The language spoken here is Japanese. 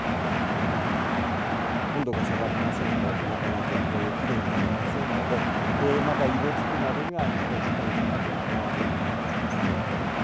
温度が下がりませんと、なかなか紅葉きれいになりませんので、まだ色づくまでには、ちょっと時間がかかるかなという形ですね。